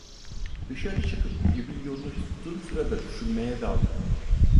Dışarı çıkıp evin yolunu tuttuğum sırada düşünmeye daldım.